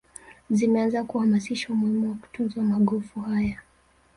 Zimeanza kuhamasisha umuhimu wa kutunzwa magofu haya